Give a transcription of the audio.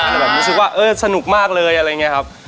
แต่แบบรู้สึกว่าเออสนุกมากเลยอะไรอย่างนี้ครับ